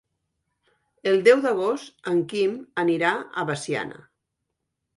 El deu d'agost en Quim anirà a Veciana.